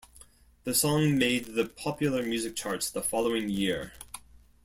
The song made the popular music charts the following year.